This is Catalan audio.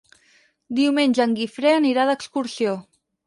Diumenge en Guifré anirà d'excursió.